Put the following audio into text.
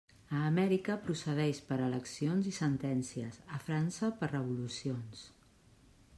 A Amèrica procedeix per eleccions i sentències; a França, per revolucions.